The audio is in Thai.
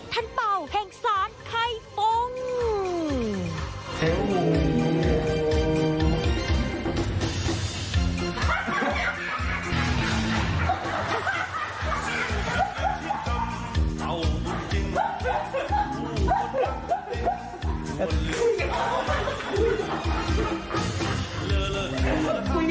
ท่านเป้าแผงสารไข้ปง